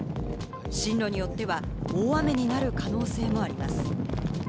進路によっては大雨になる可能性もあります。